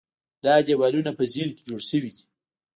دا دیوالونه په ذهن کې جوړ شوي دي.